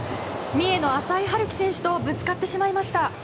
三重の浅井春輝選手とぶつかってしまいました。